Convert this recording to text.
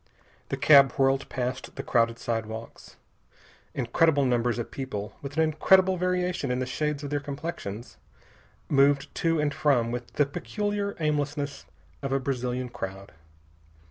The cab whirled past the crowded sidewalks. Incredible numbers of people, with an incredible variation in the shades of their complexions, moved to and from with the peculiar aimlessness of a Brazilian crowd.